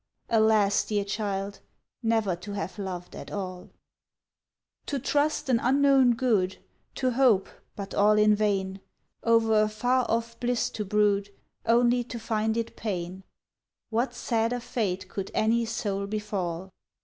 Alas! dear child, ne'er to have loved at all. To trust an unknown good, To hope, but all in vain, Over a far off bliss to brood, Only to find it pain What sadder fate could any soul befall?